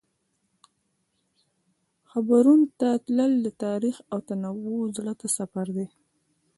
حبرون ته تلل د تاریخ او تنوع زړه ته سفر دی.